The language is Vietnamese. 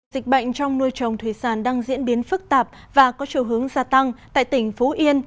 dịch bệnh trong nuôi trồng thủy sản đang diễn biến phức tạp và có chiều hướng gia tăng tại tỉnh phú yên